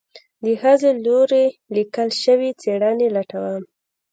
د ښځې لوري ليکل شوي څېړنې لټوم